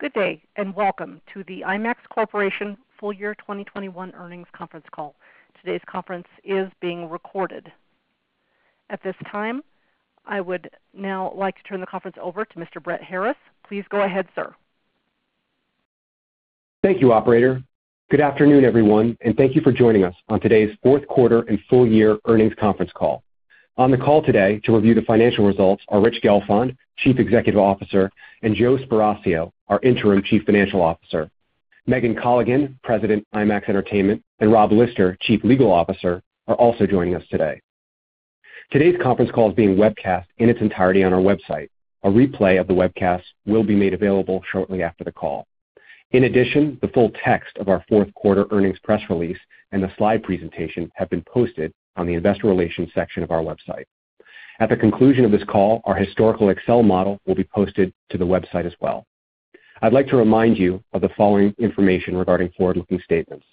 Good day, and welcome to the IMAX Corporation full year 2021 earnings conference call. Today's conference is being recorded. At this time, I would now like to turn the conference over to Mr. Brett Harriss. Please go ahead, sir. Thank you, operator. Good afternoon, everyone, and thank you for joining us on today's fourth quarter and full year earnings conference call. On the call today to review the financial results are Richard Gelfond, Chief Executive Officer, and Joseph Sparacio, our Interim Chief Financial Officer. Megan Colligan, President, IMAX Entertainment, and Robert Lister, Chief Legal Officer, are also joining us today. Today's conference call is being webcast in its entirety on our website. A replay of the webcast will be made available shortly after the call. In addition, the full text of our fourth quarter earnings press release and the slide presentation have been posted on the investor relations section of our website. At the conclusion of this call, our historical Excel model will be posted to the website as well. I'd like to remind you of the following information regarding forward-looking statements.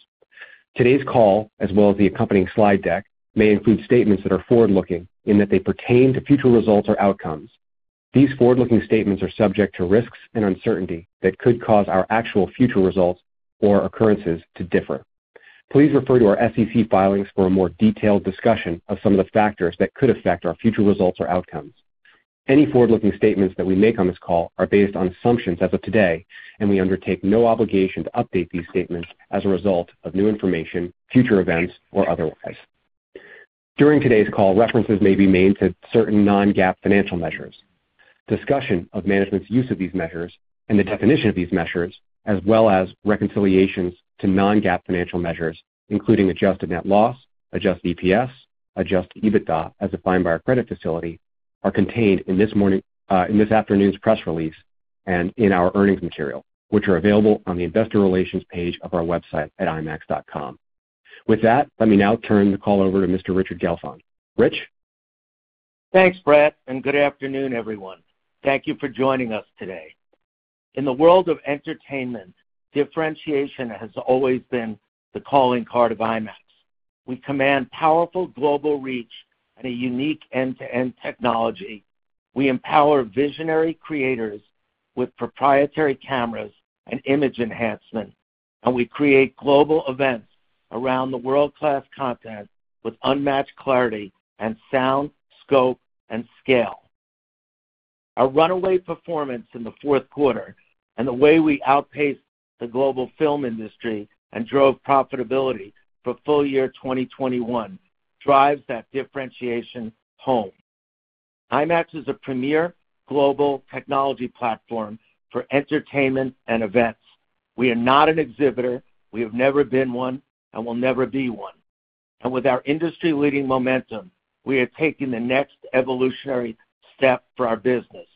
Today's call, as well as the accompanying slide deck, may include statements that are forward-looking in that they pertain to future results or outcomes. These forward-looking statements are subject to risks and uncertainty that could cause our actual future results or occurrences to differ. Please refer to our SEC filings for a more detailed discussion of some of the factors that could affect our future results or outcomes. Any forward-looking statements that we make on this call are based on assumptions as of today, and we undertake no obligation to update these statements as a result of new information, future events, or otherwise. During today's call, references may be made to certain non-GAAP financial measures. Discussion of management's use of these measures and the definition of these measures, as well as reconciliations to non-GAAP financial measures, including adjusted net loss, adjusted EPS, adjusted EBITDA as defined by our credit facility, are contained in this morning, in this afternoon's press release and in our earnings material, which are available on the investor relations page of our website at IMAX.com. With that, let me now turn the call over to Mr. Richard Gelfond. Rich? Thanks, Brett, and good afternoon, everyone. Thank you for joining us today. In the world of entertainment, differentiation has always been the calling card of IMAX. We command powerful global reach and a unique end-to-end technology. We empower visionary creators with proprietary cameras and image enhancement, and we create global events around the world-class content with unmatched clarity and sound, scope, and scale. Our runaway performance in the fourth quarter and the way we outpaced the global film industry and drove profitability for full year 2021 drives that differentiation home. IMAX is a premier global technology platform for entertainment and events. We are not an exhibitor, we have never been one, and will never be one. With our industry-leading momentum, we are taking the next evolutionary step for our business.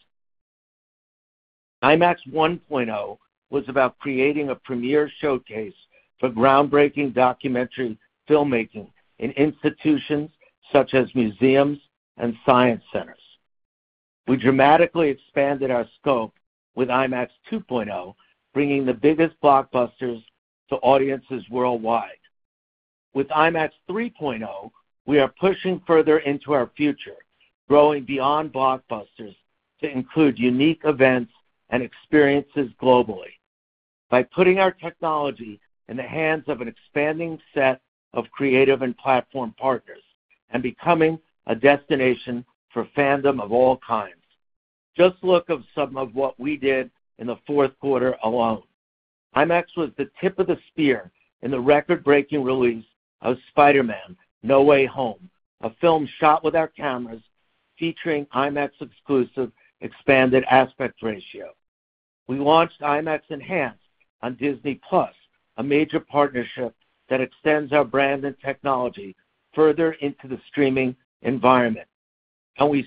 IMAX 1.0 was about creating a premier showcase for groundbreaking documentary filmmaking in institutions such as museums and science centers. We dramatically expanded our scope with IMAX 2.0, bringing the biggest blockbusters to audiences worldwide. With IMAX 3.0, we are pushing further into our future, growing beyond blockbusters to include unique events and experiences globally by putting our technology in the hands of an expanding set of creative and platform partners and becoming a destination for fandom of all kinds. Just look at some of what we did in the fourth quarter alone. IMAX was the tip of the spear in the record-breaking release of Spider-Man: No Way Home, a film shot with our cameras featuring IMAX-exclusive expanded aspect ratio. We launched IMAX Enhanced on Disney+, a major partnership that extends our brand and technology further into the streaming environment. We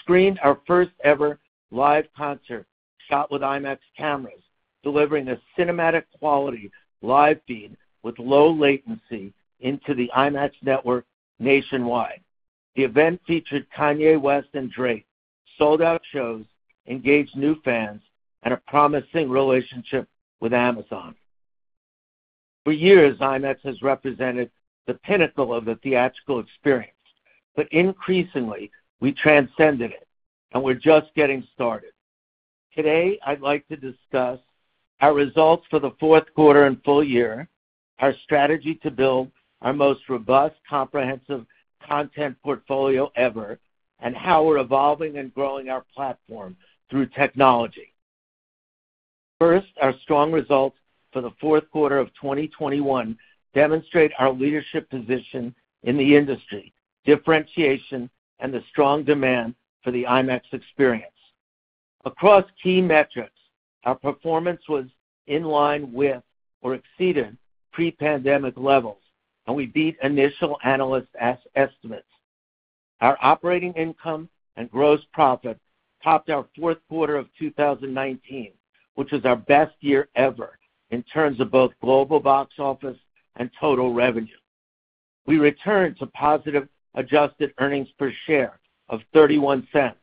screened our first-ever live concert shot with IMAX cameras, delivering a cinematic-quality live feed with low latency into the IMAX network nationwide. The event featured Kanye West and Drake, sold-out shows, engaged new fans, and a promising relationship with Amazon. For years, IMAX has represented the pinnacle of the theatrical experience, but increasingly, we transcended it, and we're just getting started. Today, I'd like to discuss our results for the fourth quarter and full year, our strategy to build our most robust, comprehensive content portfolio ever, and how we're evolving and growing our platform through technology. First, our strong results for the fourth quarter of 2021 demonstrate our leadership position in the industry, differentiation, and the strong demand for the IMAX experience. Across key metrics, our performance was in line with or exceeded pre-pandemic levels, and we beat initial analyst estimates. Our operating income and gross profit topped our fourth quarter of 2019, which was our best year ever in terms of both global box office and total revenue. We returned to positive adjusted earnings per share of $0.31,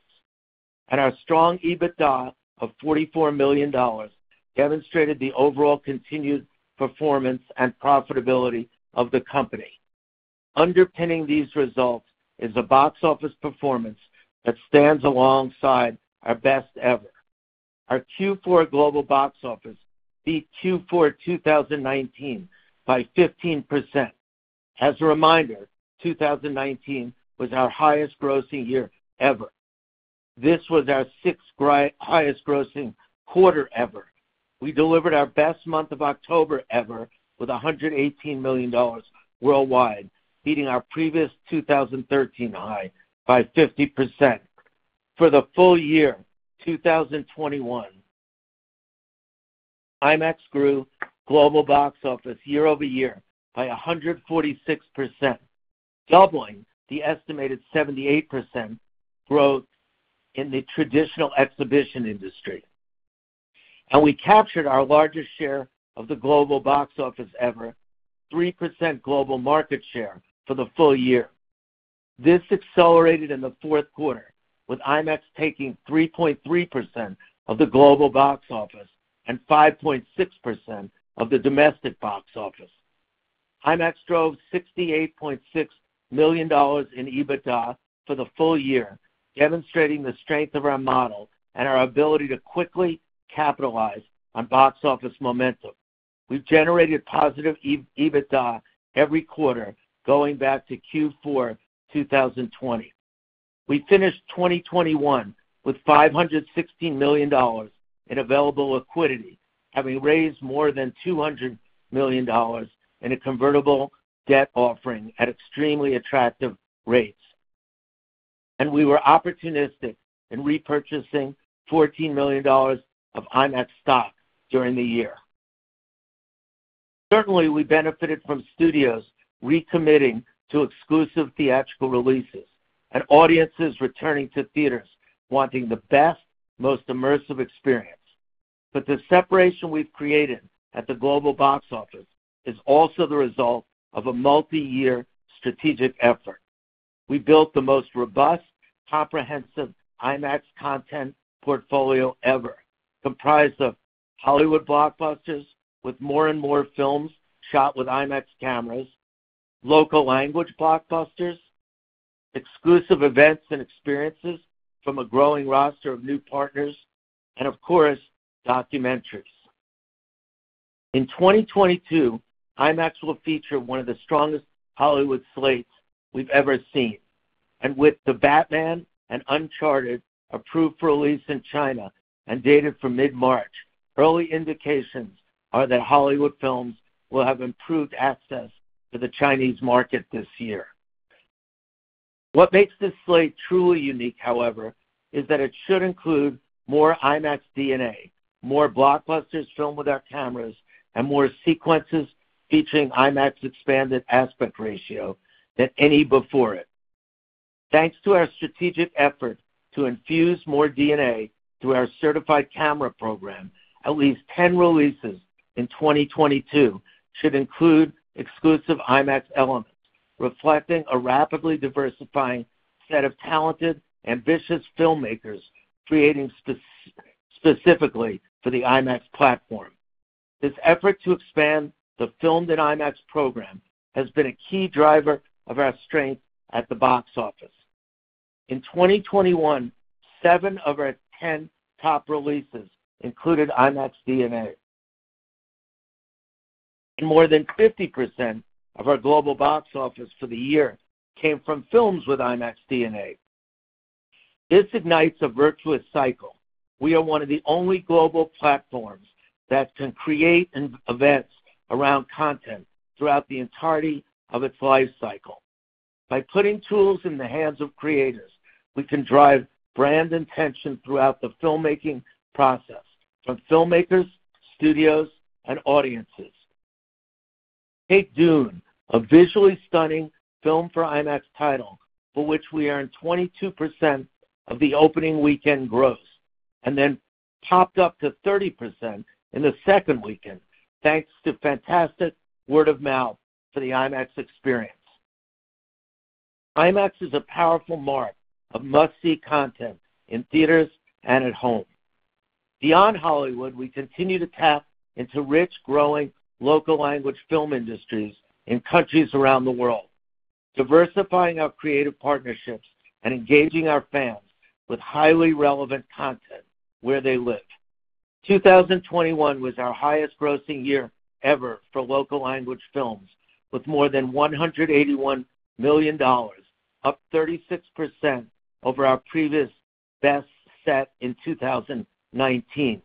and our strong EBITDA of $44 million demonstrated the overall continued performance and profitability of the company. Underpinning these results is a box office performance that stands alongside our best ever. Our Q4 global box office beat Q4 2019 by 15%. As a reminder, 2019 was our highest grossing year ever. This was our sixth highest grossing quarter ever. We delivered our best month of October ever with $118 million worldwide, beating our previous 2013 high by 50%. For the full year 2021, IMAX grew global box office year-over-year by 146%, doubling the estimated 78% growth in the traditional exhibition industry. We captured our largest share of the global box office ever, 3% global market share for the full year. This accelerated in the fourth quarter with IMAX taking 3.3% of the global box office and 5.6% of the domestic box office. IMAX drove $68.6 million in EBITDA for the full year, demonstrating the strength of our model and our ability to quickly capitalize on box office momentum. We've generated positive EBITDA every quarter going back to Q4 2020. We finished 2021 with $516 million in available liquidity, having raised more than $200 million in a convertible debt offering at extremely attractive rates. We were opportunistic in repurchasing $14 million of IMAX stock during the year. Certainly, we benefited from studios recommitting to exclusive theatrical releases and audiences returning to theaters wanting the best, most immersive experience. The separation we've created at the global box office is also the result of a multi-year strategic effort. We built the most robust, comprehensive IMAX content portfolio ever, comprised of Hollywood blockbusters with more and more films shot with IMAX cameras, local language blockbusters, exclusive events and experiences from a growing roster of new partners, and of course, documentaries. In 2022, IMAX will feature one of the strongest Hollywood slates we've ever seen. With The Batman and Uncharted approved for release in China and dated for mid-March, early indications are that Hollywood films will have improved access to the Chinese market this year. What makes this slate truly unique, however, is that it should include more IMAX DNA, more blockbusters filmed with our cameras, and more sequences featuring IMAX expanded aspect ratio than any before it. Thanks to our strategic effort to infuse more DNA through our certified camera program, at least 10 releases in 2022 should include exclusive IMAX elements, reflecting a rapidly diversifying set of talented, ambitious filmmakers creating specifically for the IMAX platform. This effort to expand the Filmed For IMAX program has been a key driver of our strength at the box office. In 2021, seven of our 10 top releases included IMAX DNA. More than 50% of our global box office for the year came from films with IMAX DNA. This ignites a virtuous cycle. We are one of the only global platforms that can create events around content throughout the entirety of its life cycle. By putting tools in the hands of creators, we can drive brand attention throughout the filmmaking process from filmmakers, studios, and audiences. Take Dune, a visually stunning film and an IMAX title, for which we earned 22% of the opening weekend gross and then popped up to 30% in the second weekend, thanks to fantastic word of mouth for the IMAX experience. IMAX is a powerful mark of must-see content in theaters and at home. Beyond Hollywood, we continue to tap into rich, growing local language film industries in countries around the world, diversifying our creative partnerships and engaging our fans with highly relevant content where they live. 2021 was our highest grossing year ever for local language films with more than $181 million, up 36% over our previous best set in 2019.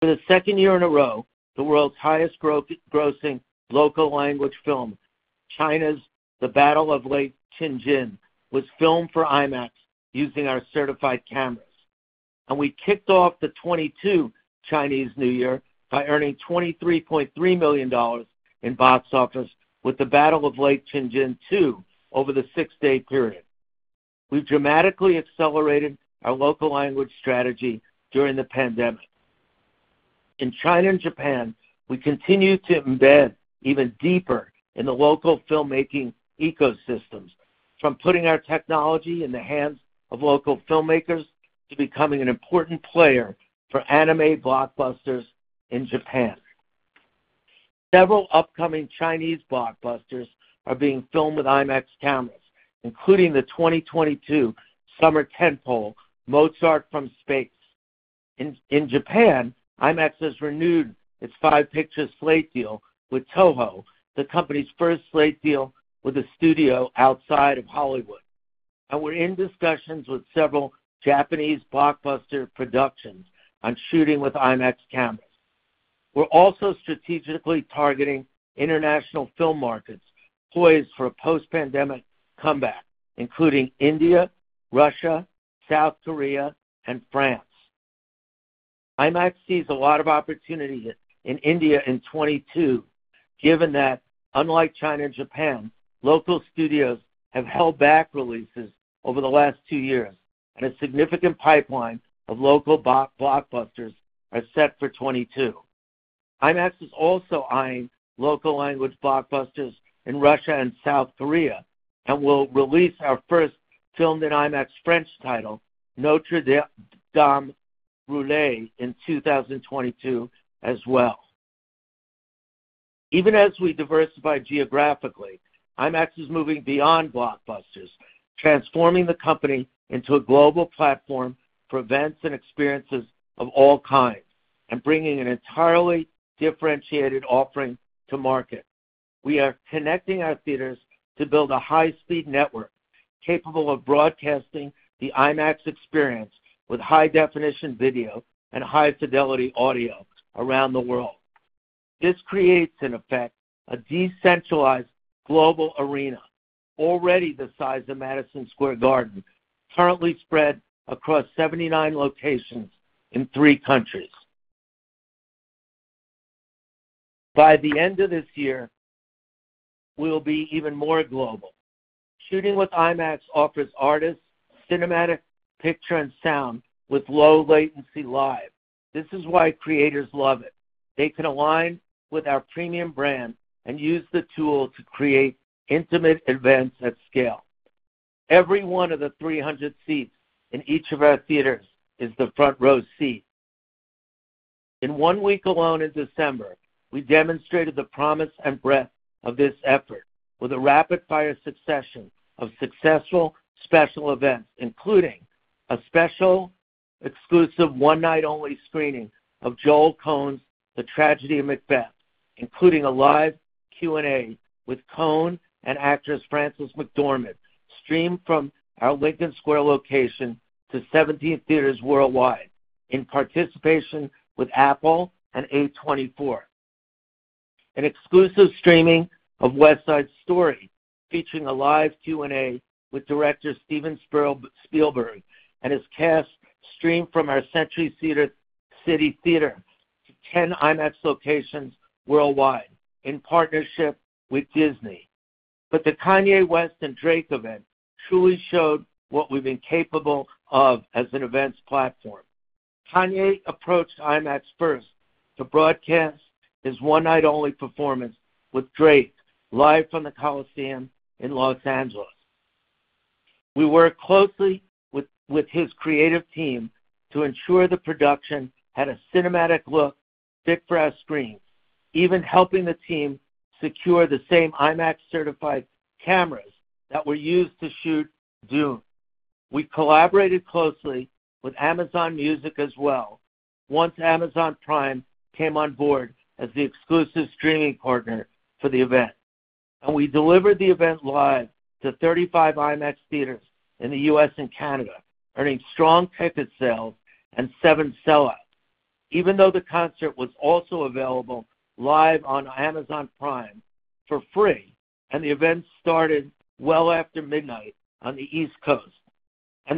For the second year in a row, the world's highest grossing local language film, China's The Battle at Lake Changjin, was filmed for IMAX using our certified cameras. We kicked off the 2022 Chinese New Year by earning $23.3 million in box office with The Battle at Lake Changjin II over the six-day period. We've dramatically accelerated our local language strategy during the pandemic. In China and Japan, we continue to embed even deeper in the local filmmaking ecosystems, from putting our technology in the hands of local filmmakers to becoming an important player for anime blockbusters in Japan. Several upcoming Chinese blockbusters are being filmed with IMAX cameras, including the 2022 summer tentpole, Mozart from Space. In Japan, IMAX has renewed its five-picture slate deal with Toho, the company's first slate deal with a studio outside of Hollywood. We're in discussions with several Japanese blockbuster productions on shooting with IMAX cameras. We're also strategically targeting international film markets poised for a post-pandemic comeback, including India, Russia, South Korea, and France. IMAX sees a lot of opportunity in India in 2022, given that, unlike China and Japan, local studios have held back releases over the last two years, and a significant pipeline of local blockbusters are set for 2022. IMAX is also eyeing local-language blockbusters in Russia and South Korea, and will release our first film in IMAX French title, Notre-Dame brûle, in 2022 as well. Even as we diversify geographically, IMAX is moving beyond blockbusters, transforming the company into a global platform for events and experiences of all kinds and bringing an entirely differentiated offering to market. We are connecting our theaters to build a high-speed network capable of broadcasting the IMAX experience with high-definition video and high-fidelity audio around the world. This creates, in effect, a decentralized global arena already the size of Madison Square Garden, currently spread across 79 locations in three countries. By the end of this year, we will be even more global. Shooting with IMAX offers artists cinematic picture and sound with low latency live. This is why creators love it. They can align with our premium brand and use the tool to create intimate events at scale. Every one of the 300 seats in each of our theaters is the front row seat. In one week alone in December, we demonstrated the promise and breadth of this effort with a rapid-fire succession of successful special events, including a special exclusive one-night-only screening of Joel Coen's The Tragedy of Macbeth, including a live Q&A with Coen and actress Frances McDormand, streamed from our Lincoln Square location to 17 theaters worldwide in partnership with Apple and A24. An exclusive streaming of West Side Story, featuring a live Q&A with Director Steven Spielberg and his cast, streamed from our Century City theater to 10 IMAX locations worldwide in partnership with Disney. The Kanye West and Drake event truly showed what we've been capable of as an events platform. Kanye approached IMAX first to broadcast his one-night-only performance with Drake live from the Coliseum in Los Angeles. We worked closely with his creative team to ensure the production had a cinematic look fit for our screens, even helping the team secure the same IMAX-certified cameras that were used to shoot Dune. We collaborated closely with Amazon Music as well once Amazon Prime came on board as the exclusive streaming partner for the event. We delivered the event live to 35 IMAX theaters in the U.S. and Canada, earning strong ticket sales and seven sellouts. Even though the concert was also available live on Amazon Prime for free, and the event started well after midnight on the East Coast,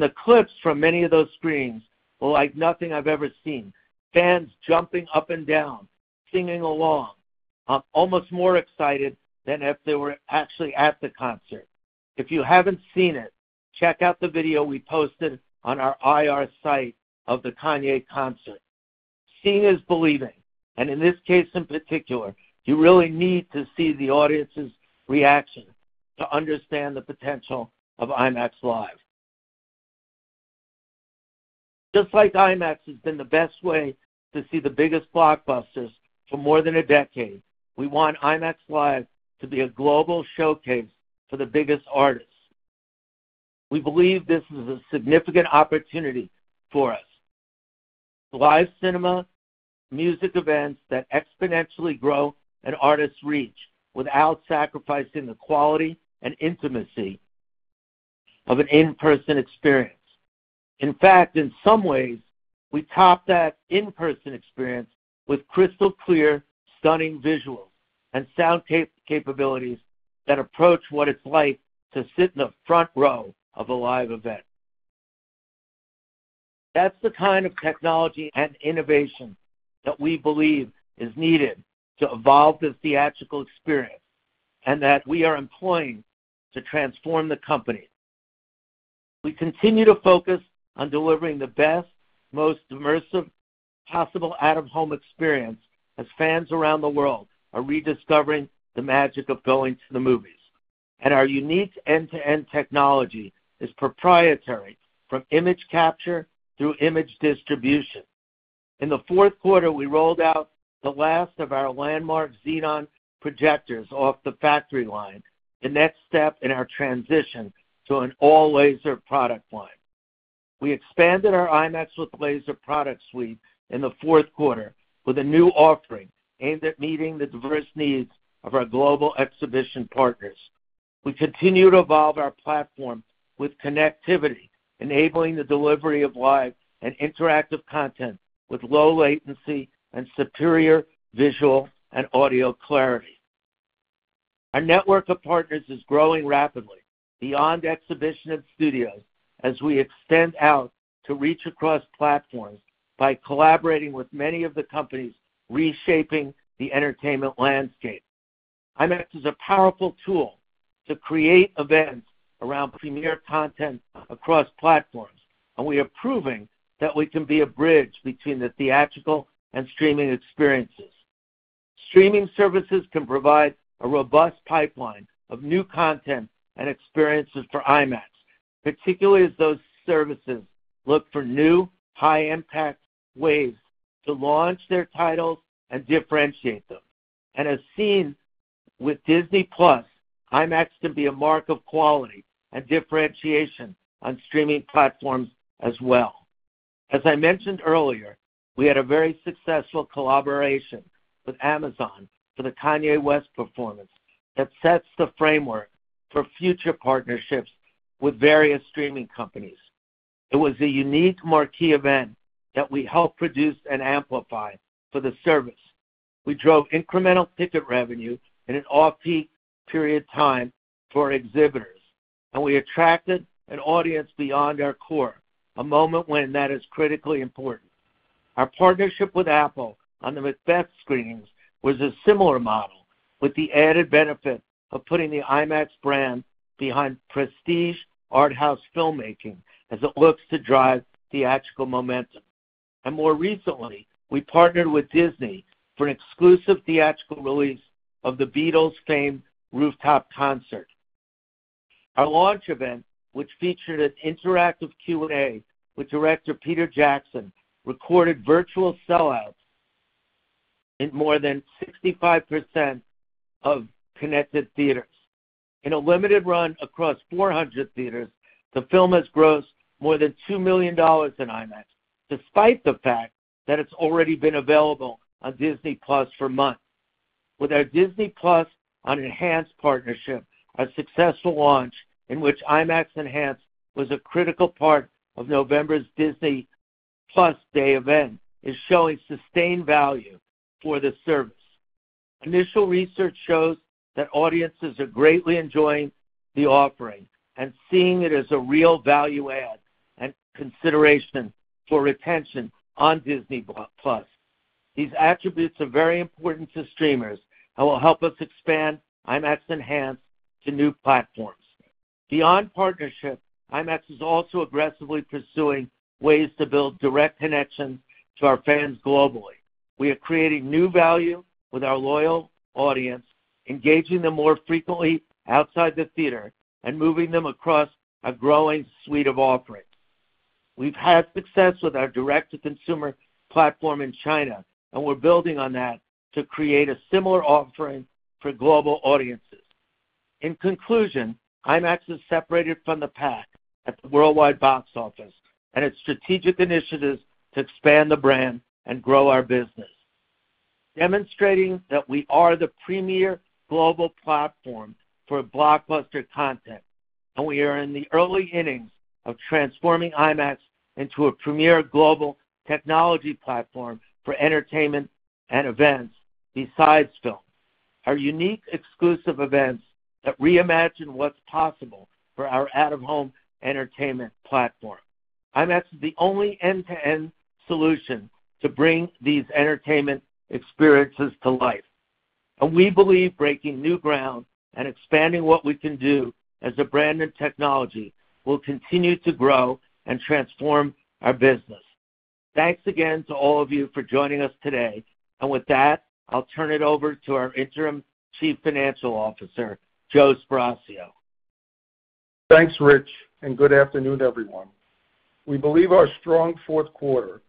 the clips from many of those screens were like nothing I've ever seen. Fans jumping up and down, singing along, almost more excited than if they were actually at the concert. If you haven't seen it, check out the video we posted on our IR site of the Kanye concert. Seeing is believing, and in this case in particular, you really need to see the audience's reaction to understand the potential of IMAX Live. Just like IMAX has been the best way to see the biggest blockbusters for more than a decade, we want IMAX Live to be a global showcase for the biggest artists. We believe this is a significant opportunity for us. Live cinema music events that exponentially grow an artist's reach without sacrificing the quality and intimacy of an in-person experience. In fact, in some ways, we top that in-person experience with crystal clear, stunning visuals and sound capabilities that approach what it's like to sit in the front row of a live event. That's the kind of technology and innovation that we believe is needed to evolve the theatrical experience and that we are employing to transform the company. We continue to focus on delivering the best, most immersive possible out-of-home experience as fans around the world are rediscovering the magic of going to the movies. Our unique end-to-end technology is proprietary from image capture through image distribution. In the fourth quarter, we rolled out the last of our landmark Xenon projectors off the factory line, the next step in our transition to an all-laser product line. We expanded our IMAX with Laser product suite in the fourth quarter with a new offering aimed at meeting the diverse needs of our global exhibition partners. We continue to evolve our platform with connectivity, enabling the delivery of live and interactive content with low latency and superior visual and audio clarity. Our network of partners is growing rapidly beyond exhibition and studios as we extend out to reach across platforms by collaborating with many of the companies reshaping the entertainment landscape. IMAX is a powerful tool to create events around premier content across platforms, and we are proving that we can be a bridge between the theatrical and streaming experiences. Streaming services can provide a robust pipeline of new content and experiences for IMAX, particularly as those services look for new, high-impact ways to launch their titles and differentiate them. As seen with Disney+, IMAX can be a mark of quality and differentiation on streaming platforms as well. As I mentioned earlier, we had a very successful collaboration with Amazon for the Kanye West performance that sets the framework for future partnerships with various streaming companies. It was a unique marquee event that we helped produce and amplify for the service. We drove incremental ticket revenue in an off-peak period time for exhibitors, and we attracted an audience beyond our core, a moment when that is critically important. Our partnership with Apple on the Macbeth screenings was a similar model, with the added benefit of putting the IMAX brand behind prestige art house filmmaking as it looks to drive theatrical momentum. More recently, we partnered with Disney for an exclusive theatrical release of The Beatles' famed rooftop concert. Our launch event, which featured an interactive Q&A with director Peter Jackson, recorded virtual sellouts in more than 65% of connected theaters. In a limited run across 400 theaters, the film has grossed more than $2 million in IMAX, despite the fact that it's already been available on Disney+ for months. With our Disney+ IMAX Enhanced partnership, a successful launch in which IMAX Enhanced was a critical part of November's Disney+ Day event is showing sustained value for the service. Initial research shows that audiences are greatly enjoying the offering and seeing it as a real value add and consideration for retention on Disney+. These attributes are very important to streamers and will help us expand IMAX Enhanced to new platforms. Beyond partnership, IMAX is also aggressively pursuing ways to build direct connections to our fans globally. We are creating new value with our loyal audience, engaging them more frequently outside the theater, and moving them across a growing suite of offerings. We've had success with our direct-to-consumer platform in China, and we're building on that to create a similar offering for global audiences. In conclusion, IMAX is separated from the pack at the worldwide box office and its strategic initiatives to expand the brand and grow our business, demonstrating that we are the premier global platform for blockbuster content, and we are in the early innings of transforming IMAX into a premier global technology platform for entertainment and events besides film. Our unique exclusive events that reimagine what's possible for our out-of-home entertainment platform. IMAX is the only end-to-end solution to bring these entertainment experiences to life, and we believe breaking new ground and expanding what we can do as a brand and technology will continue to grow and transform our business. Thanks again to all of you for joining us today. With that, I'll turn it over to our interim Chief Financial Officer, Joe Sparacio. Thanks, Rich, and good afternoon, everyone. We believe our strong fourth quarter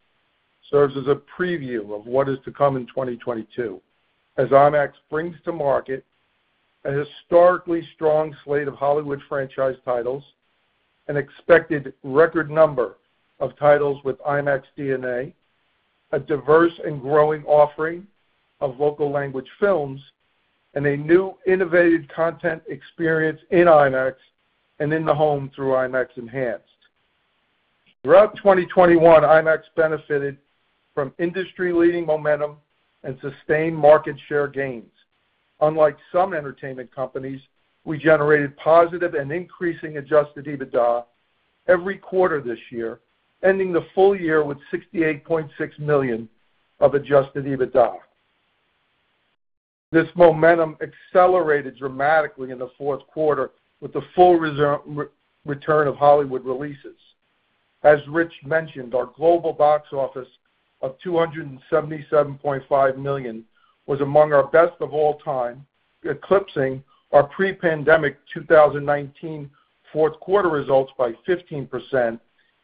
serves as a preview of what is to come in 2022 as IMAX brings to market a historically strong slate of Hollywood franchise titles, an expected record number of titles with IMAX DNA, a diverse and growing offering of local language films, and a new innovative content experience in IMAX and in the home through IMAX Enhanced. Throughout 2021, IMAX benefited from industry-leading momentum and sustained market share gains. Unlike some entertainment companies, we generated positive and increasing adjusted EBITDA every quarter this year, ending the full year with $68.6 million of adjusted EBITDA. This momentum accelerated dramatically in the fourth quarter with the full return of Hollywood releases. As Rich mentioned, our global box office of $277.5 million was among our best of all time, eclipsing our pre-pandemic 2019 fourth quarter results by 15%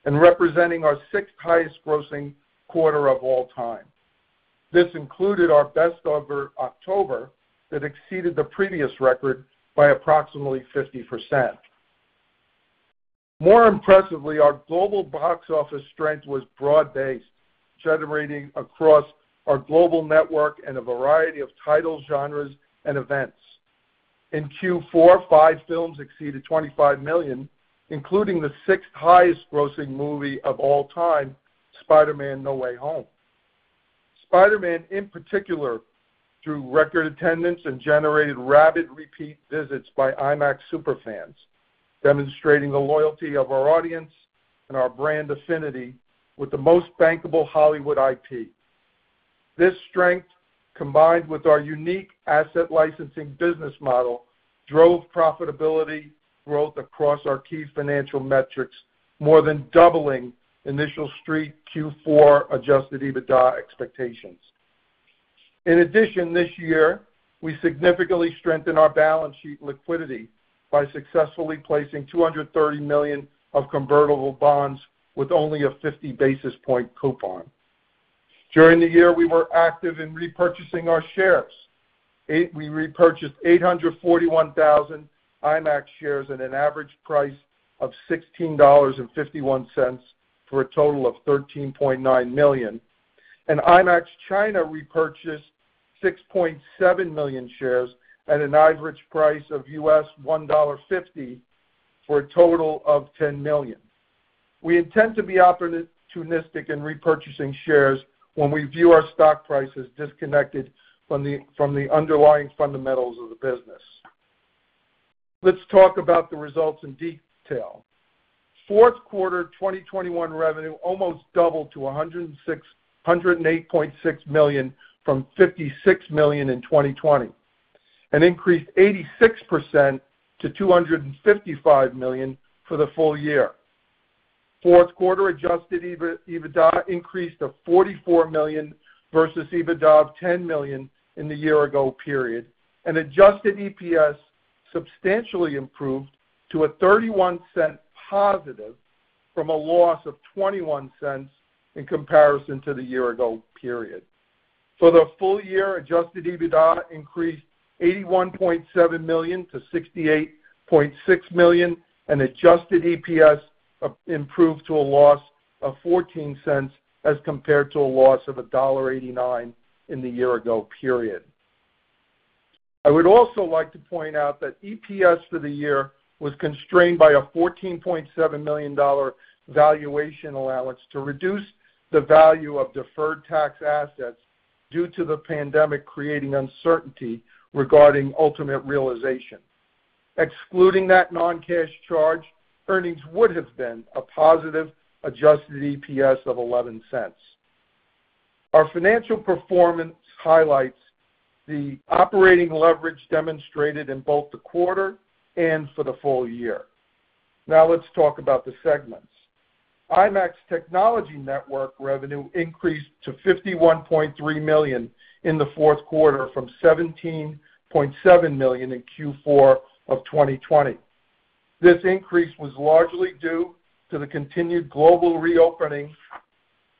and representing our sixth highest grossing quarter of all time. This included our best-ever October, that exceeded the previous record by approximately 50%. More impressively, our global box office strength was broad-based, generating across our global network and a variety of titles, genres, and events. In Q4, five films exceeded $25 million, including the sixth highest grossing movie of all time, Spider-Man: No Way Home. Spider-Man in particular, drew record attendance and generated rapid repeat visits by IMAX super fans, demonstrating the loyalty of our audience and our brand affinity with the most bankable Hollywood IP. This strength, combined with our unique asset licensing business model, drove profitability growth across our key financial metrics, more than doubling initial street Q4 adjusted EBITDA expectations. In addition, this year, we significantly strengthened our balance sheet liquidity by successfully placing $230 million of convertible bonds with only a 50 basis point coupon. During the year, we were active in repurchasing our shares. We repurchased 841,000 IMAX shares at an average price of $16.51 for a total of $13.9 million. IMAX China repurchased 6.7 million shares at an average price of $1.50 for a total of $10 million. We intend to be opportunistic in repurchasing shares when we view our stock price as disconnected from the from the underlying fundamentals of the business. Let's talk about the results in detail. Fourth quarter 2021 revenue almost doubled to $168.6 million from $56 million in 2020, and increased 86% to $255 million for the full year. Fourth quarter adjusted EBITDA increased to $44 million versus EBITDA of $10 million in the year ago period, and adjusted EPS substantially improved to a positive $0.31 from a loss of $0.21 in comparison to the year ago period. For the full year, adjusted EBITDA increased $81.7 million to $68.6 million, and adjusted EPS improved to a loss of $0.14 as compared to a loss of $1.89 in the year ago period. I would also like to point out that EPS for the year was constrained by a $14.7 million valuation allowance to reduce the value of deferred tax assets due to the pandemic creating uncertainty regarding ultimate realization. Excluding that non-cash charge, earnings would have been a positive adjusted EPS of $0.11. Our financial performance highlights the operating leverage demonstrated in both the quarter and for the full year. Now let's talk about the segments. IMAX technology network revenue increased to $51.3 million in the fourth quarter from $17.7 million in Q4 of 2020. This increase was largely due to the continued global reopening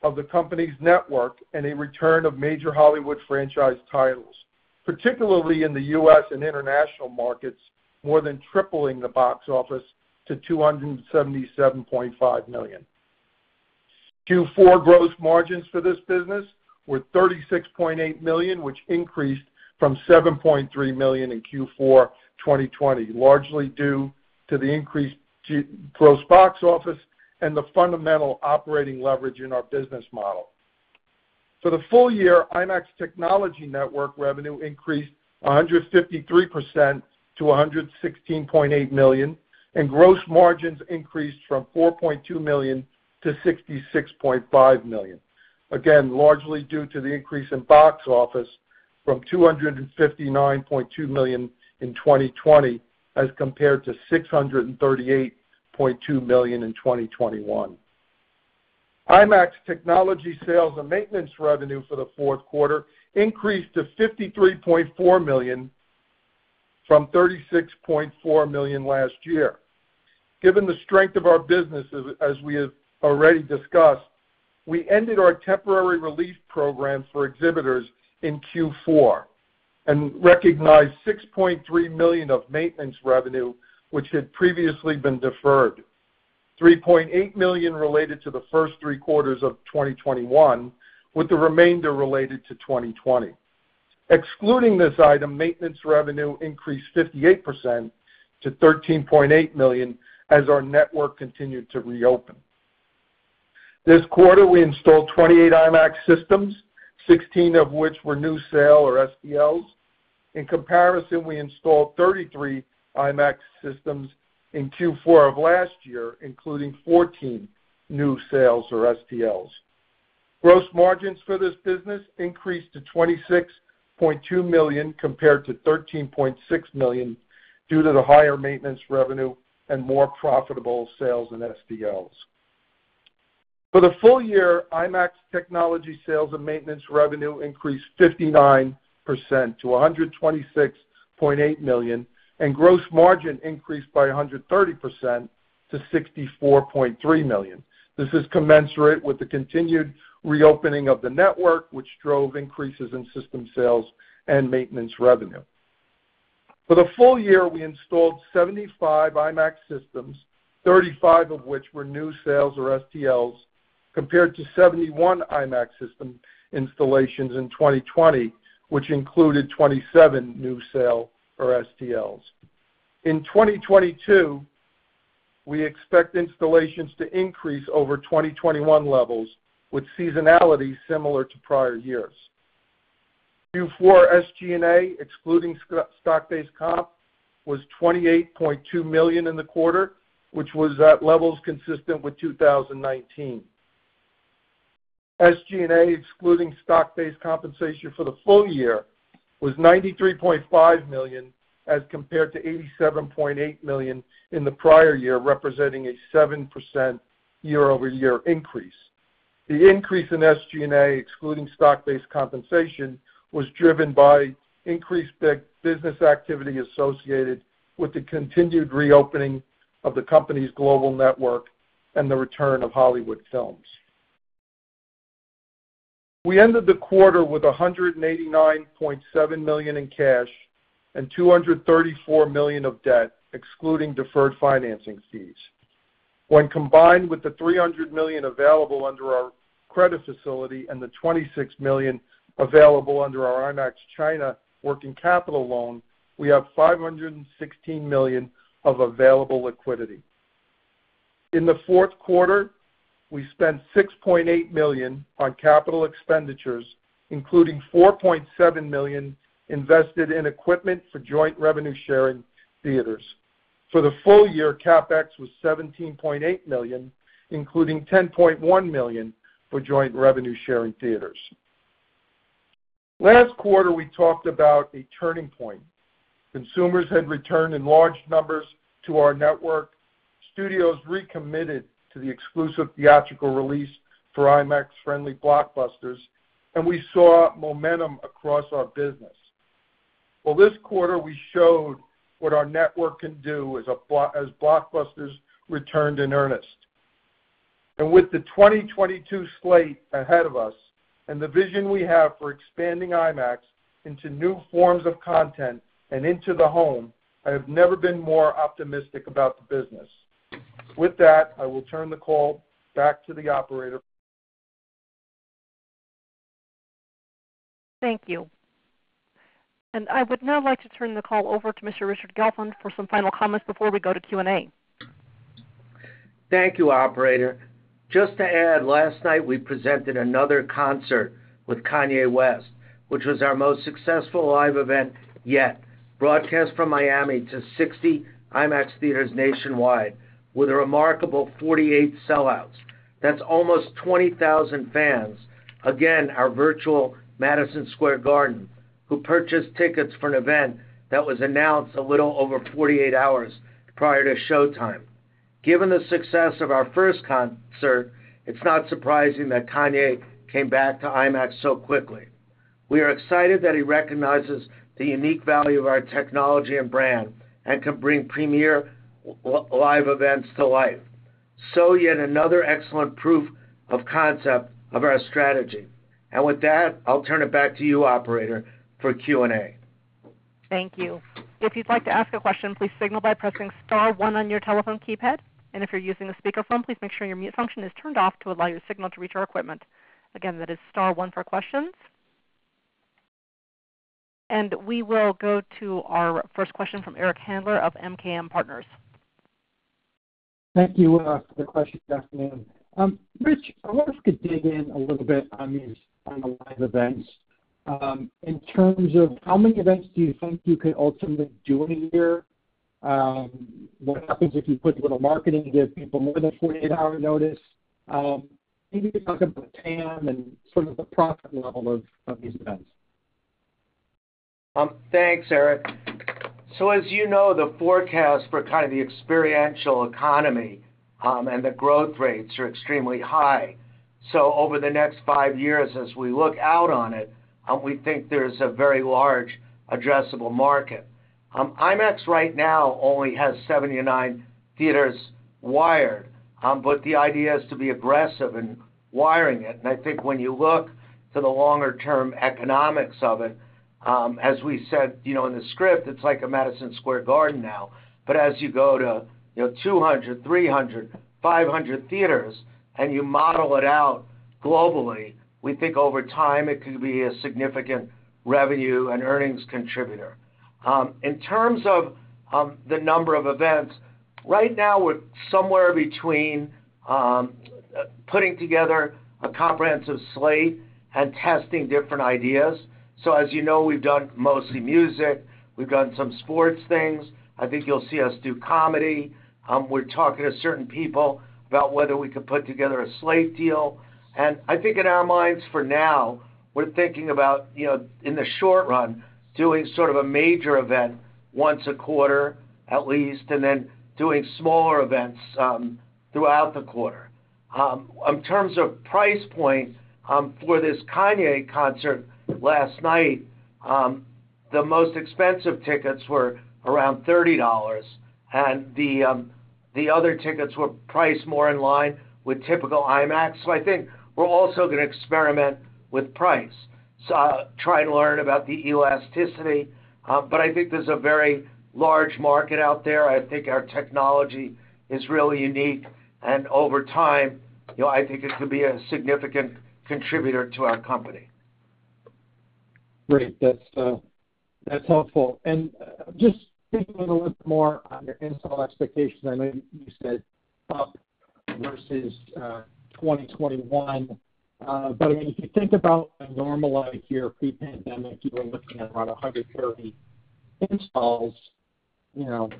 of the company's network and a return of major Hollywood franchise titles, particularly in the U.S. and international markets, more than tripling the box office to $277.5 million. Q4 gross margins for this business were $36.8 million, which increased from $7.3 million in Q4 2020, largely due to the increased gross box office and the fundamental operating leverage in our business model. For the full year, IMAX technology network revenue increased 153% to $116.8 million, and gross margins increased from $4.2 million to $66.5 million, again, largely due to the increase in box office from $259.2 million in 2020 as compared to $638.2 million in 2021. IMAX technology sales and maintenance revenue for the fourth quarter increased to $53.4 million from $36.4 million last year. Given the strength of our businesses, as we have already discussed, we ended our temporary relief program for exhibitors in Q4 and recognized $6.3 million of maintenance revenue which had previously been deferred, $3.8 million related to the first three quarters of 2021, with the remainder related to 2020. Excluding this item, maintenance revenue increased 58% to $13.8 million as our network continued to reopen. This quarter, we installed 28 IMAX systems, 16 of which were new sales or STLs. In comparison, we installed 33 IMAX systems in Q4 of last year, including 14 new sales or STLs. Gross margins for this business increased to $26.2 million compared to $13.6 million due to the higher maintenance revenue and more profitable sales in SDLs. For the full year, IMAX technology sales and maintenance revenue increased 59% to $126.8 million, and gross margin increased by 130% to $64.3 million. This is commensurate with the continued reopening of the network, which drove increases in system sales and maintenance revenue. For the full year, we installed 75 IMAX systems, 35 of which were new sales or SDLs, compared to 71 IMAX system installations in 2020, which included 27 new sales or SDLs. In 2022, we expect installations to increase over 2021 levels with seasonality similar to prior years. Q4 SG&A, excluding stock-based comp, was $28.2 million in the quarter, which was at levels consistent with 2019. SG&A, excluding stock-based compensation for the full year, was $93.5 million as compared to $87.8 million in the prior year, representing a 7% year-over-year increase. The increase in SG&A, excluding stock-based compensation, was driven by increased business activity associated with the continued reopening of the company's global network and the return of Hollywood films. We ended the quarter with $189.7 million in cash and $234 million of debt excluding deferred financing fees. When combined with the $300 million available under our credit facility and the $26 million available under our IMAX China working capital loan, we have $516 million of available liquidity. In the fourth quarter, we spent $6.8 million on capital expenditures, including $4.7 million invested in equipment for joint revenue-sharing theaters. For the full year, CapEx was $17.8 million, including $10.1 million for joint revenue-sharing theaters. Last quarter, we talked about a turning point. Consumers had returned in large numbers to our network, studios recommitted to the exclusive theatrical release for IMAX-friendly blockbusters, and we saw momentum across our business. Well, this quarter we showed what our network can do as blockbusters returned in earnest. With the 2022 slate ahead of us and the vision we have for expanding IMAX into new forms of content and into the home, I have never been more optimistic about the business. With that, I will turn the call back to the operator. Thank you. I would now like to turn the call over to Mr. Richard Gelfond for some final comments before we go to Q&A. Thank you, operator. Just to add, last night we presented another concert with Kanye West, which was our most successful live event yet, broadcast from Miami to 60 IMAX theaters nationwide with a remarkable 48 sellouts. That's almost 20,000 fans, again, our virtual Madison Square Garden, who purchased tickets for an event that was announced a little over 48 hours prior to showtime. Given the success of our first concert, it's not surprising that Kanye came back to IMAX so quickly. We are excited that he recognizes the unique value of our technology and brand and can bring premier live events to life. Yet another excellent proof of concept of our strategy. With that, I'll turn it back to you, operator, for Q&A. Thank you. If you'd like to ask a question, please signal by pressing star one on your telephone keypad. If you're using a speakerphone, please make sure your mute function is turned off to allow your signal to reach our equipment. Again, that is star one for questions. We will go to our first question from Eric Handler of MKM Partners. Thank you for the question. Good afternoon. Rich, I wonder if you could dig in a little bit on these, on the live events, in terms of how many events do you think you could ultimately do in a year? What happens if you put a little marketing, give people more than a 48-hour notice? Maybe you can talk about TAM and sort of the profit level of these events. Thanks, Eric. As you know, the forecast for kind of the experiential economy and the growth rates are extremely high. Over the next five years, as we look out on it, we think there's a very large addressable market. IMAX right now only has 79 theaters wired, but the idea is to be aggressive in wiring it. I think when you look to the longer-term economics of it, as we said, you know, in the script, it's like a Madison Square Garden now. As you go to, you know, 200, 300, 500 theaters and you model it out globally, we think over time it could be a significant revenue and earnings contributor. In terms of the number of events, right now we're somewhere between putting together a comprehensive slate and testing different ideas. As you know, we've done mostly music, we've done some sports things. I think you'll see us do comedy. We're talking to certain people about whether we could put together a slate deal. I think in our minds, for now, we're thinking about, you know, in the short run, doing sort of a major event once a quarter at least, and then doing smaller events throughout the quarter. In terms of price point, for this Kanye concert last night, the most expensive tickets were around $30, and the other tickets were priced more in line with typical IMAX. I think we're also gonna experiment with price to try and learn about the elasticity. But I think there's a very large market out there. I think our technology is really unique, and over time, you know, I think it could be a significant contributor to our company. Great. That's helpful. Just thinking a little bit more on your install expectations. I know you said up versus 2021. I mean, if you think about a normal year pre-pandemic, you were looking at around 130 installs, you know.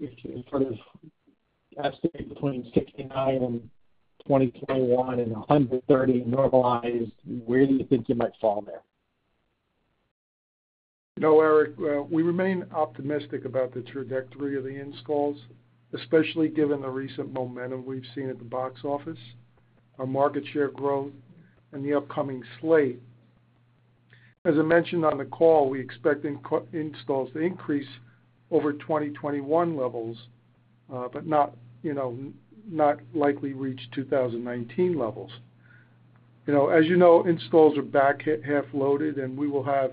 If you sort of estimate between 69 in 2021 and 130 normalized, where do you think you might fall there? No, Eric, we remain optimistic about the trajectory of the installs, especially given the recent momentum we've seen at the box office, our market share growth and the upcoming slate. As I mentioned on the call, we expect installs to increase over 2021 levels, but not, you know, likely reach 2019 levels. You know, as you know, installs are back half loaded, and we will have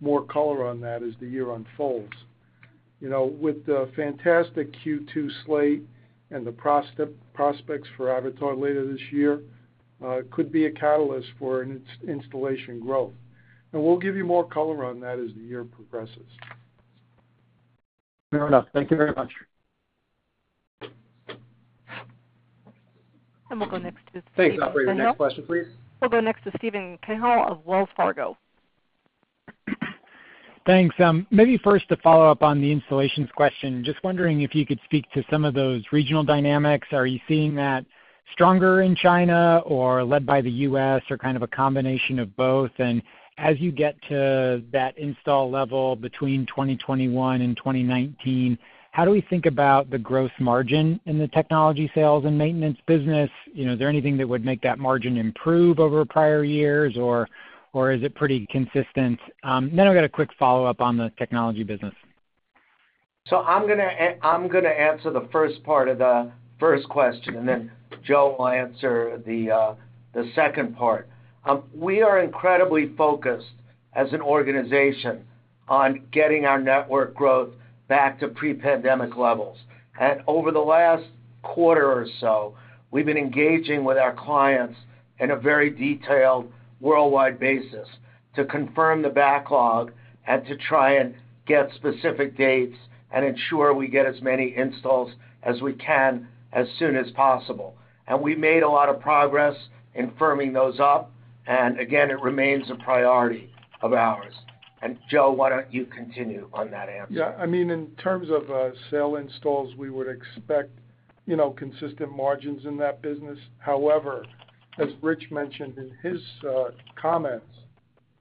more color on that as the year unfolds. You know, with the fantastic Q2 slate and the prospects for Avatar later this year, could be a catalyst for an installation growth. We'll give you more color on that as the year progresses. Fair enough. Thank you very much. We'll go next to Steven. Thanks, operator. Next question, please. We'll go next to Steven Cahall of Wells Fargo. Thanks. Maybe first to follow up on the installations question. Just wondering if you could speak to some of those regional dynamics. Are you seeing that stronger in China or led by the U.S. or kind of a combination of both? As you get to that install level between 2021 and 2019, how do we think about the gross margin in the technology sales and maintenance business? You know, is there anything that would make that margin improve over prior years or is it pretty consistent? Then I've got a quick follow-up on the technology business. I'm gonna answer the first part of the first question, and then Joe will answer the second part. We are incredibly focused as an organization on getting our network growth back to pre-pandemic levels. Over the last quarter or so, we've been engaging with our clients in a very detailed worldwide basis to confirm the backlog and to try and get specific dates and ensure we get as many installs as we can as soon as possible. We made a lot of progress in firming those up, and again, it remains a priority of ours. Joe, why don't you continue on that answer? Yeah. I mean, in terms of sale installs, we would expect, you know, consistent margins in that business. However, as Rich mentioned in his comments,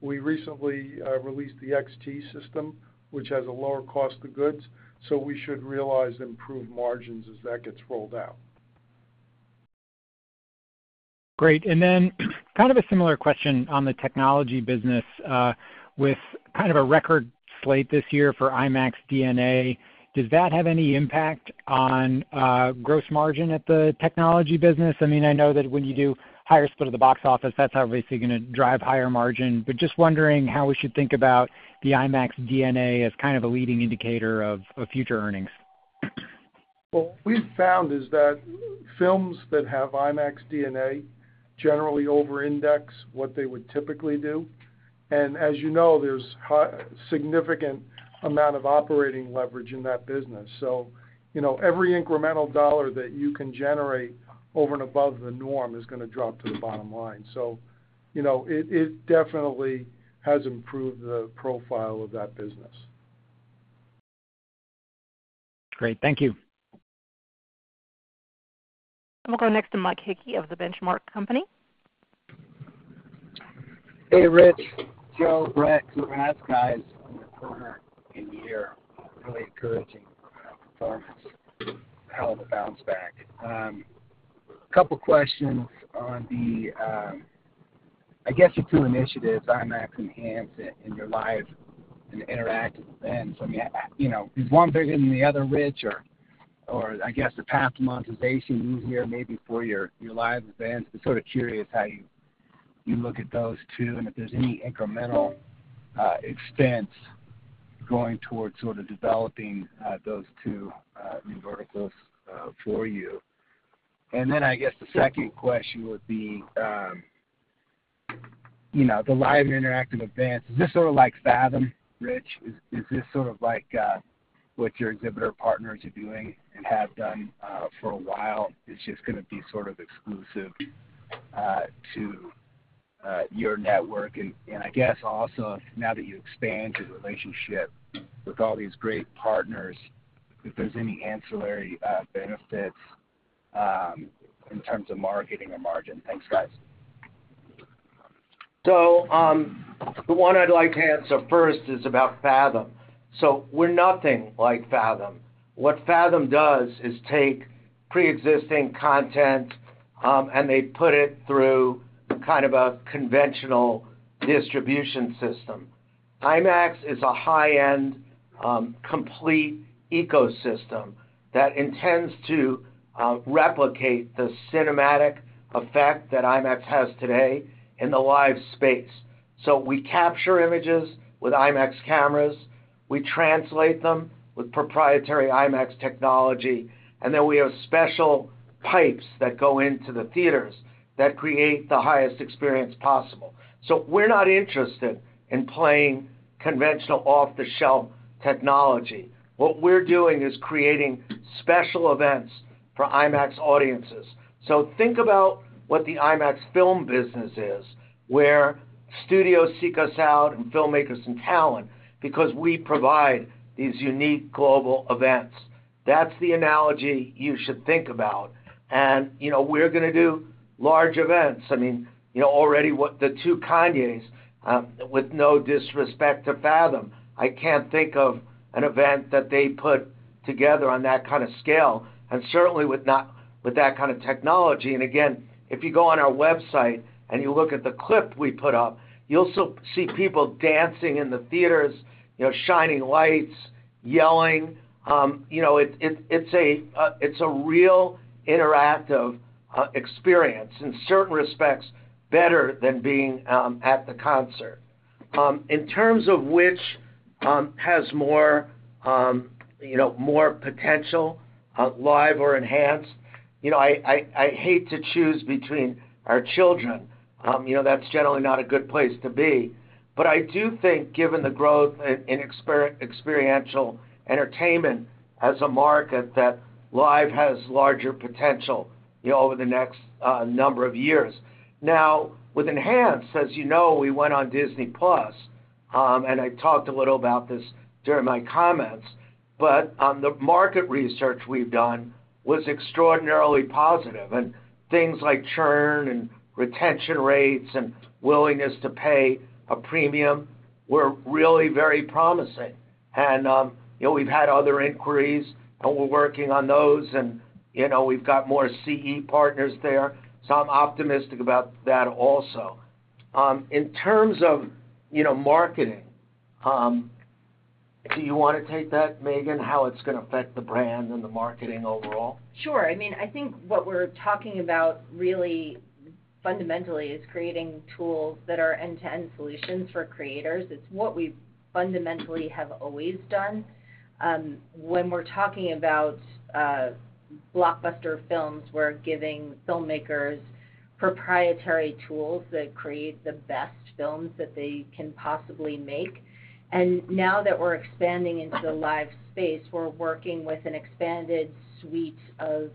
we recently released the XT system, which has a lower cost of goods, so we should realize improved margins as that gets rolled out. Great. Then kind of a similar question on the technology business, with kind of a record slate this year for IMAX DNA. Does that have any impact on gross margin at the technology business? I mean, I know that when you do higher split of the box office, that's obviously gonna drive higher margin. Just wondering how we should think about the IMAX DNA as kind of a leading indicator of future earnings? Well, what we've found is that films that have IMAX DNA generally over-index what they would typically do. As you know, there's significant amount of operating leverage in that business. You know, every incremental dollar that you can generate over and above the norm is gonna drop to the bottom line. You know, it definitely has improved the profile of that business. Great. Thank you. We'll go next to Mike Hickey of The Benchmark Company. Hey, Rich, Joe, Brett, congrats, guys, on the quarter and the year. Really encouraging performance. Hell of a bounce back. Couple questions on the, I guess your two initiatives, IMAX Enhanced and your live and interactive events. I mean, you know, is one bigger than the other, Rich? Or I guess the path to monetization you hear maybe for your live events. Just sort of curious how you look at those two and if there's any incremental expense going towards sort of developing those two new verticals for you. Then I guess the second question would be, you know, the live interactive events. Is this sort of like Fathom, Rich? Is this sort of like what your exhibitor partners are doing and have done for a while, it's just gonna be sort of exclusive to your network. I guess also now that you expand your relationship with all these great partners, if there's any ancillary benefits in terms of marketing or margin? Thanks, guys. The one I'd like to answer first is about Fathom. We're nothing like Fathom. What Fathom does is take pre-existing content, and they put it through kind of a conventional distribution system. IMAX is a high-end, complete ecosystem that intends to replicate the cinematic effect that IMAX has today in the live space. We capture images with IMAX cameras, we translate them with proprietary IMAX technology, and then we have special pipes that go into the theaters that create the highest experience possible. We're not interested in playing conventional off-the-shelf technology. What we're doing is creating special events for IMAX audiences. Think about what the IMAX film business is, where studios seek us out and filmmakers and talent because we provide these unique global events. That's the analogy you should think about. You know, we're gonna do large events. I mean, you know, already what the two Kanyes, with no disrespect to Fathom, I can't think of an event that they put together on that kind of scale, and certainly with that kind of technology. Again, if you go on our website and you look at the clip we put up, you'll see people dancing in the theaters, you know, shining lights, yelling. You know, it's a real interactive experience in certain respects, better than being at the concert. In terms of which has more you know more potential live or enhanced, you know, I hate to choose between our children. You know, that's generally not a good place to be. I do think given the growth in experiential entertainment as a market, that live has larger potential, you know, over the next number of years. Now, with enhanced, as you know, we went on Disney+, and I talked a little about this during my comments, but the market research we've done was extraordinarily positive. Things like churn and retention rates and willingness to pay a premium were really very promising. You know, we've had other inquiries, and we're working on those and, you know, we've got more CE partners there, so I'm optimistic about that also. In terms of, you know, marketing, do you wanna take that, Megan? How it's gonna affect the brand and the marketing overall? Sure. I mean, I think what we're talking about really fundamentally is creating tools that are end-to-end solutions for creators. It's what we fundamentally have always done. When we're talking about blockbuster films, we're giving filmmakers proprietary tools that create the best films that they can possibly make. Now that we're expanding into the live space, we're working with an expanded suite of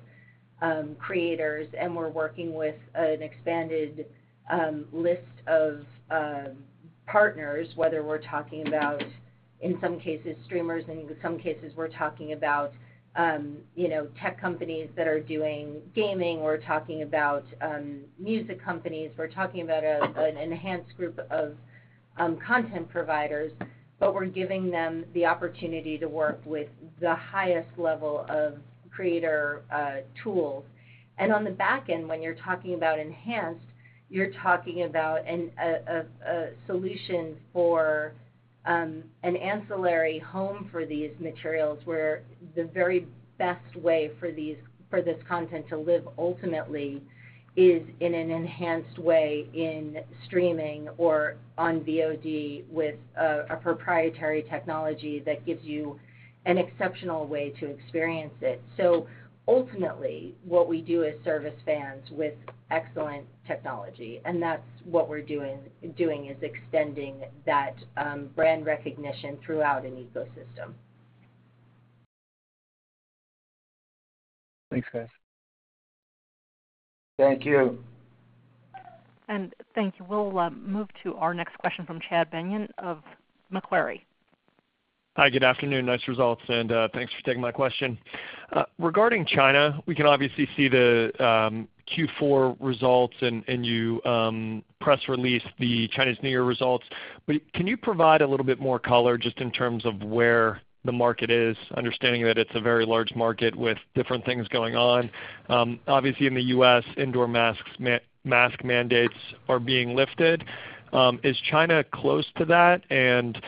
creators, and we're working with an expanded list of partners, whether we're talking about, in some cases, streamers, in some cases, we're talking about, you know, tech companies that are doing gaming, we're talking about music companies. We're talking about an enhanced group of content providers, but we're giving them the opportunity to work with the highest level of creator tools. On the back end, when you're talking about enhanced, you're talking about a solution for an ancillary home for these materials, where the very best way for this content to live ultimately is in an enhanced way in streaming or on VOD with a proprietary technology that gives you an exceptional way to experience it. Ultimately, what we do is service fans with excellent technology, and that's what we're doing is extending that brand recognition throughout an ecosystem. Thanks, guys. Thank you. Thank you. We'll move to our next question from Chad Beynon of Macquarie. Hi. Good afternoon. Nice results, and thanks for taking my question. Regarding China, we can obviously see the Q4 results and you press released the Chinese New Year results. Can you provide a little bit more color just in terms of where the market is, understanding that it's a very large market with different things going on? Obviously in the U.S., indoor mask mandates are being lifted. Is China close to that? And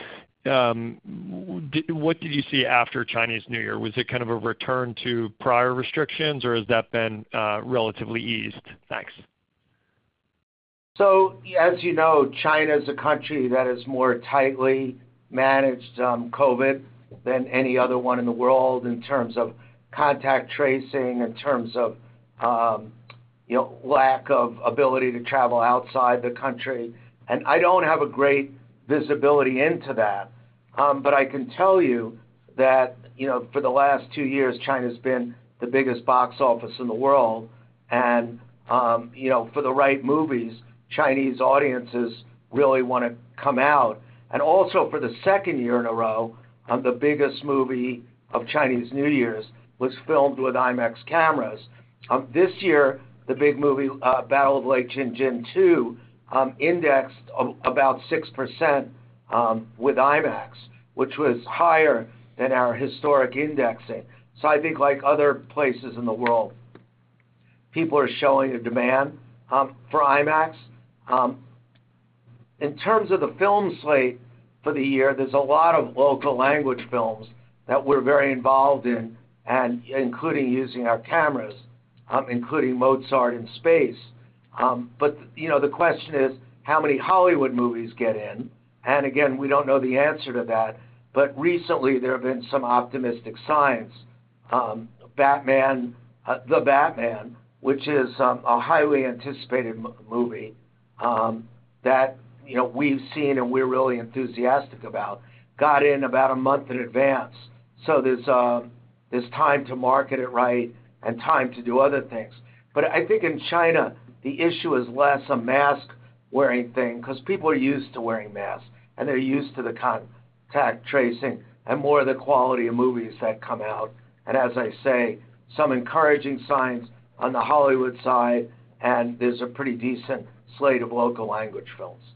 what did you see after Chinese New Year? Was it kind of a return to prior restrictions, or has that been relatively eased? Thanks. As you know, China is a country that has more tightly managed COVID than any other one in the world in terms of contact tracing, in terms of, you know, lack of ability to travel outside the country. I don't have a great visibility into that, but I can tell you that, you know, for the last 2 years, China's been the biggest box office in the world. You know, for the right movies, Chinese audiences really wanna come out. Also for the second year in a row, the biggest movie of Chinese New Year's was filmed with IMAX cameras. This year, the big movie, The Battle at Lake Changjin II, indexed about 6% with IMAX, which was higher than our historic indexing. I think like other places in the world, people are showing a demand for IMAX. In terms of the film slate for the year, there's a lot of local language films that we're very involved in and including using our cameras, including Mozart from Space. You know, the question is, how many Hollywood movies get in? Again, we don't know the answer to that. Recently, there have been some optimistic signs. The Batman, which is a highly anticipated movie, you know, that we've seen and we're really enthusiastic about, got in about a month in advance. There's time to market it right and time to do other things. I think in China, the issue is less a mask-wearing thing 'cause people are used to wearing masks and they're used to the contact tracing and more the quality of movies that come out. As I say, some encouraging signs on the Hollywood side, and there's a pretty decent slate of local language films.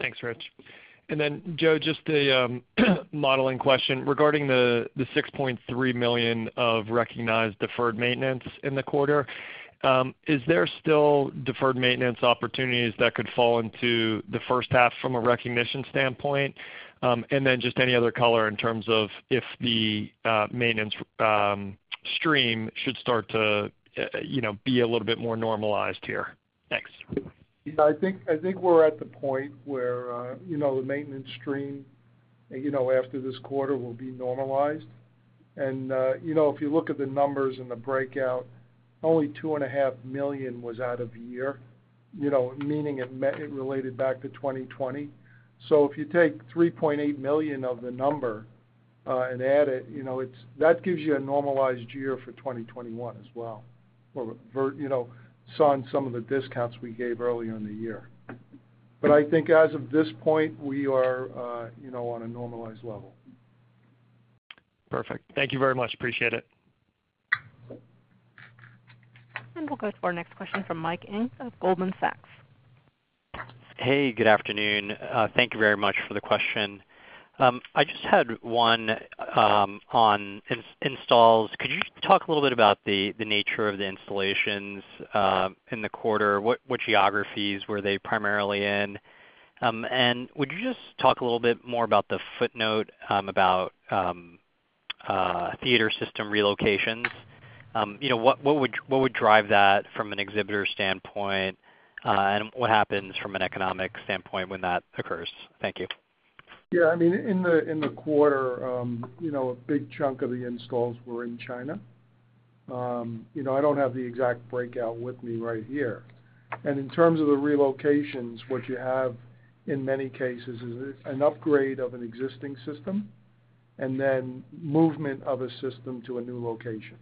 Thanks, Rich. Joe, just a modeling question regarding the $6.3 million of recognized deferred maintenance in the quarter. Is there still deferred maintenance opportunities that could fall into the first half from a recognition standpoint? And then just any other color in terms of if the maintenance stream should start to you know, be a little bit more normalized here. Thanks. Yeah, I think we're at the point where, you know, the maintenance stream, you know, after this quarter will be normalized. If you look at the numbers and the breakout, only $2.5 million was out of year, you know, meaning it related back to 2020. If you take $3.8 million of the number and add it, you know, that gives you a normalized year for 2021 as well. For you know, [sans] some of the discounts we gave earlier in the year. I think as of this point, we are, you know, on a normalized level. Perfect. Thank you very much. Appreciate it. We'll go to our next question from Michael Ng of Goldman Sachs. Hey, good afternoon. Thank you very much for the question. I just had one on installs. Could you talk a little bit about the nature of the installations in the quarter? What geographies were they primarily in? Would you just talk a little bit more about the footnote about theater system relocations? You know, what would drive that from an exhibitor standpoint, and what happens from an economic standpoint when that occurs? Thank you. Yeah. I mean, in the quarter, you know, a big chunk of the installs were in China. You know, I don't have the exact breakout with me right here. In terms of the relocations, what you have in many cases is an upgrade of an existing system and then movement of a system to a new location.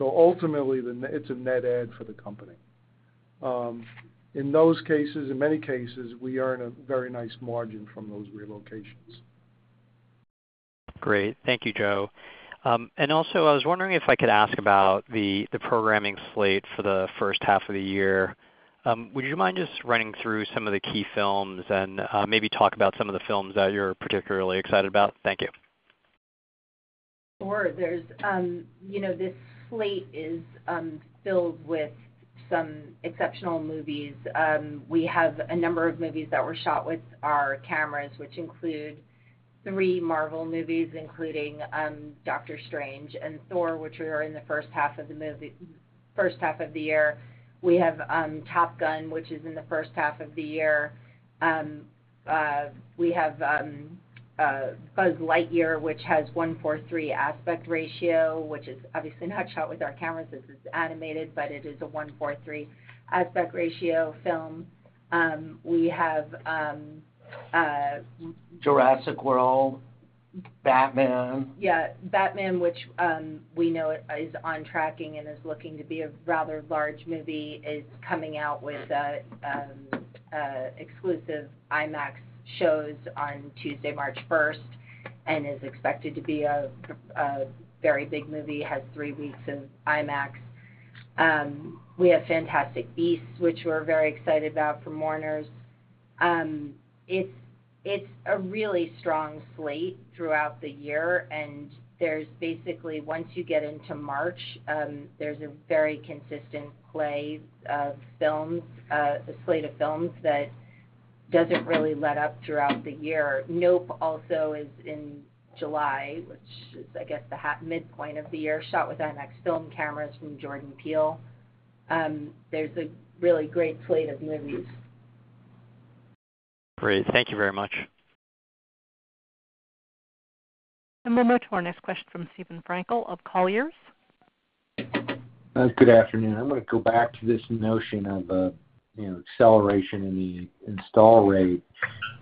Ultimately, it's a net add for the company. In those cases, we earn a very nice margin from those relocations. Great. Thank you, Joe. Also, I was wondering if I could ask about the programming slate for the first half of the year. Would you mind just running through some of the key films and maybe talk about some of the films that you're particularly excited about? Thank you. Sure. There's, you know, this slate is filled with some exceptional movies. We have a number of movies that were shot with our cameras, which include three Marvel movies, including Doctor Strange and Thor, which are in the first half of the year. We have Top Gun, which is in the first half of the year. We have Buzz Lightyear, which has 1.43:1 aspect ratio, which is obviously not shot with our cameras as it's animated, but it is a 1.43:1 aspect ratio film. We have. Jurassic World, Batman. Yeah. Batman, which we know is on tracking and is looking to be a rather large movie, is coming out with exclusive IMAX shows on Tuesday, March first, and is expected to be a very big movie, has three weeks of IMAX. We have Fantastic Beasts, which we're very excited about for Warner Bros. It's a really strong slate throughout the year, and there's basically once you get into March, there's a very consistent play of films, the slate of films that doesn't really let up throughout the year. Nope also is in July, which is, I guess, the midpoint of the year, shot with IMAX film cameras from Jordan Peele. There's a really great slate of movies. Great. Thank you very much. We'll move to our next question from Steven Frankel of Colliers. Good afternoon. I'm gonna go back to this notion of, you know, acceleration in the install rate.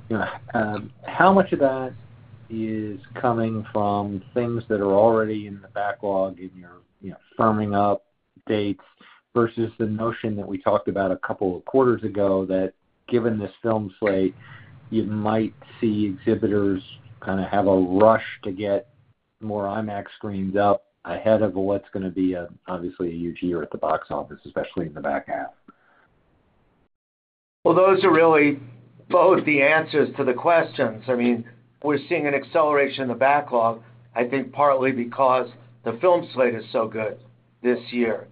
You know, how much of that is coming from things that are already in the backlog in your, you know, firming up dates versus the notion that we talked about a couple of quarters ago that given this film slate, you might see exhibitors kinda have a rush to get more IMAX screens up ahead of what's gonna be, obviously a huge year at the box office, especially in the back half? Well, those are really both the answers to the questions. I mean, we're seeing an acceleration in the backlog, I think partly because the film slate is so good this year.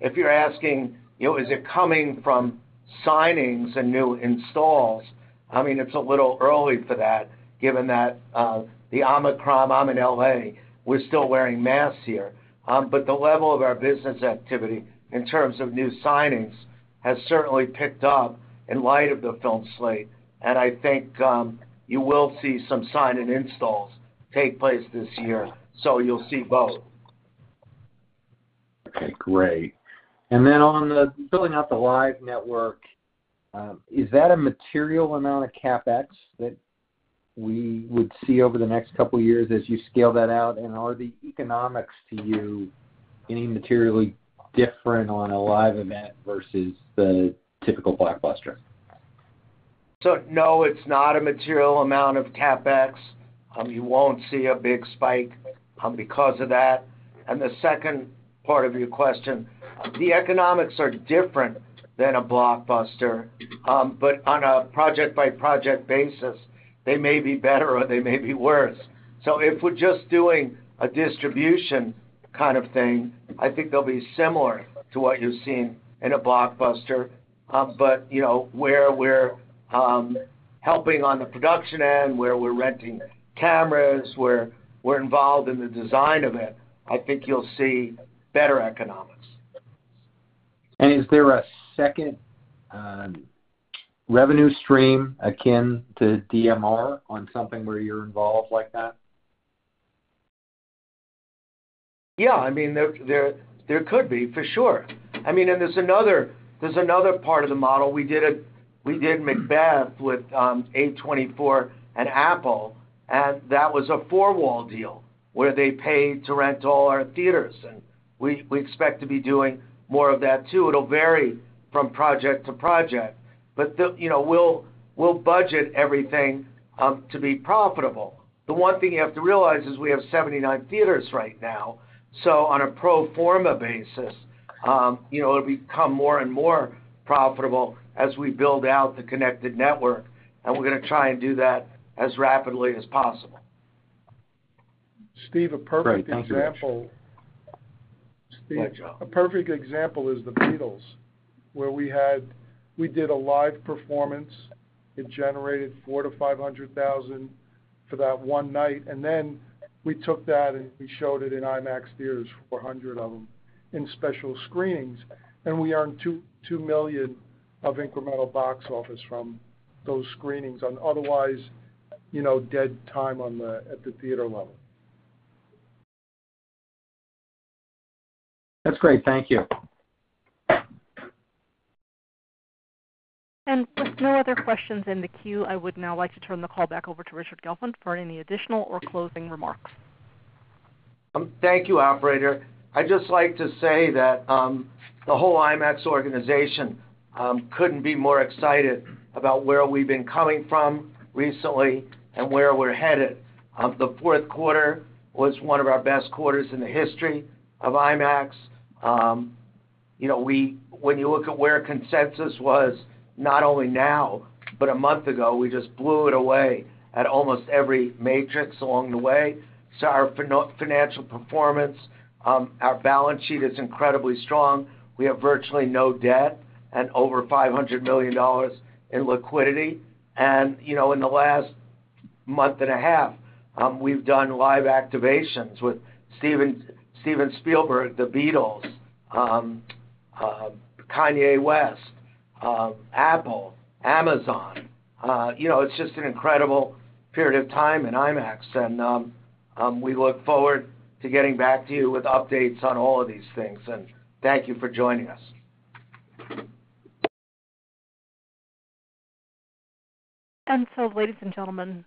If you're asking, you know, is it coming from signings and new installs, I mean, it's a little early for that given that, the Omicron. I'm in L.A., we're still wearing masks here. The level of our business activity in terms of new signings has certainly picked up in light of the film slate, and I think, you will see some signings and installs take place this year. You'll see both. Okay, great. On the building out the live network, is that a material amount of CapEx that we would see over the next couple years as you scale that out? Are the economics to you any materially different on a live event versus the typical blockbuster? No, it's not a material amount of CapEx. You won't see a big spike because of that. The second part of your question, the economics are different than a blockbuster. On a project-by-project basis, they may be better or they may be worse. If we're just doing a distribution kind of thing, I think they'll be similar to what you're seeing in a blockbuster. You know, where we're helping on the production end, where we're renting cameras, where we're involved in the design of it, I think you'll see better economics. Is there a second revenue stream akin to DMR on something where you're involved like that? Yeah, I mean, there could be, for sure. I mean, there's another part of the model. We did Macbeth with A24 and Apple, and that was a four-wall deal where they paid to rent all our theaters, and we expect to be doing more of that too. It'll vary from project to project, but you know, we'll budget everything to be profitable. The one thing you have to realize is we have 79 theaters right now, so on a pro forma basis, you know, it'll become more and more profitable as we build out the connected network, and we're gonna try and do that as rapidly as possible. Steve, a perfect example. Great. Thank you. Steve, a perfect example is The Beatles, where we did a live performance. It generated $400,000-$500,000 for that one night, and then we took that and we showed it in IMAX theaters, 400 of them, in special screenings. We earned $2 million of incremental box office from those screenings on otherwise, you know, dead time at the theater level. That's great. Thank you. With no other questions in the queue, I would now like to turn the call back over to Richard Gelfond for any additional or closing remarks. Thank you, operator. I'd just like to say that the whole IMAX organization couldn't be more excited about where we've been coming from recently and where we're headed. The fourth quarter was one of our best quarters in the history of IMAX. You know, when you look at where consensus was, not only now but a month ago, we just blew it away at almost every metric along the way. Our financial performance, our balance sheet is incredibly strong. We have virtually no debt and over $500 million in liquidity. You know, in the last month and a half, we've done live activations with Steven Spielberg, The Beatles, Kanye West, Apple, Amazon. You know, it's just an incredible period of time in IMAX, and we look forward to getting back to you with updates on all of these things. Thank you for joining us. Ladies and gentlemen,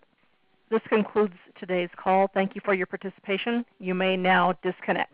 this concludes today's call. Thank you for your participation. You may now disconnect.